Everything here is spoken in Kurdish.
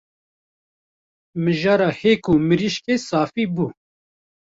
Mijara hêk û mirîşkê safî bû